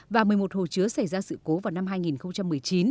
và một mươi một hồ chứa xảy ra sự cố vào năm hai nghìn một mươi chín